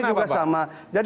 ntp juga sama